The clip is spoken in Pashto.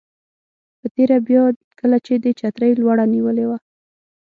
په تېره بیا کله چې دې چترۍ لوړه نیولې وه.